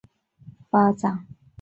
该报此后又有了较大发展。